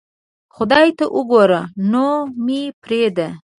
خدای ته اوګوره نو مې پریدا